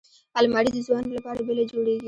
الماري د ځوانو لپاره بېله جوړیږي